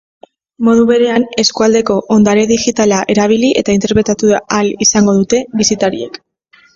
Modu berean, eskualdeko ondare digitala erabili eta interpretatu ahal izango dute bisitariek.